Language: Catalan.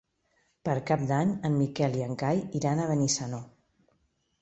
Per Cap d'Any en Miquel i en Cai iran a Benissanó.